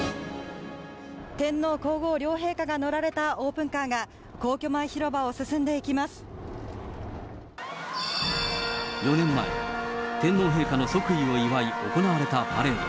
天皇皇后両陛下が乗られたオープンカーが、皇居前広場を進ん４年前、天皇陛下の即位を祝い行われたパレード。